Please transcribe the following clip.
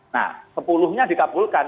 nah sepuluh nya dikabulkan